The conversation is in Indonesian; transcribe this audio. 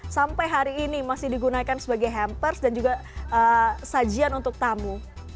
sampai hari ini masih digunakan sebagai hampers dan juga sajian untuk tamu